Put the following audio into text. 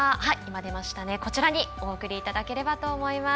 こちらにお送りいただければと思います。